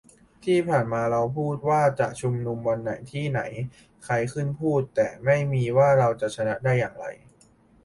ที่ผ่านมาเราพูดแต่ว่าจะชุมนุมวันไหน ที่ไหน ใครขึ้นพูด แต่ไม่มีว่า เราจะชนะได้อย่างไร